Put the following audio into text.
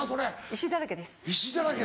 石だらけで。